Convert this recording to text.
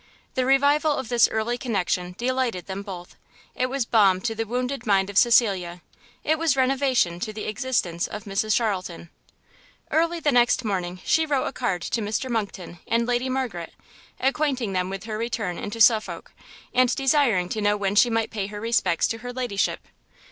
The revival of this early connection delighted them both, it was balm to the wounded mind of Cecilia, it was renovation to the existence of Mrs Charlton. Early the next morning she wrote a card to Mr Monckton and Lady Margaret, acquainting them with her return into Suffolk, and desiring to know when she might pay her respects to her Ladyship.